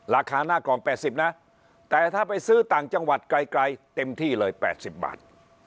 ราคาหน้ากล่อง๘๐นะแต่ถ้าไปซื้อต่างจังหวัดไกลเต็มที่เลย๘๐บาท